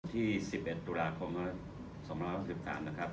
ที่๑๑ตุลาคม๒๖๓นะครับ